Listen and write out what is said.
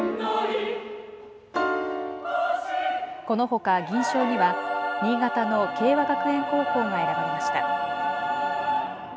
このほか、銀賞には新潟の敬和学園高校が選ばれました。